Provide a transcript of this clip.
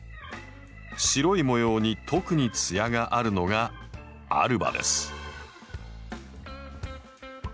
白い模様に特に艶があるのが‘アルバ’です。